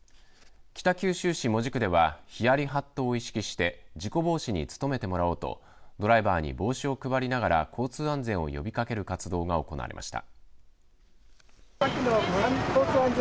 北九州市門司区ではヒヤリ・ハットを意識して事故防止に努めてもらおうとドライバーに帽子を配りながら交通安全を呼びかける活動が行われました。